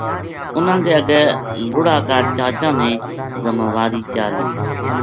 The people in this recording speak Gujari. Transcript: اُنھاں کے اَگے لُڑا کا چاچاں نے ذماواری چا لئی